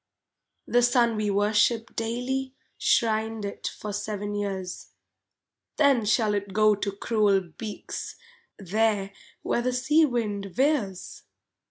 The sun we worship daily Shrined it for seven years, Then shall it go to cruel beaks, There where the sea wind veers?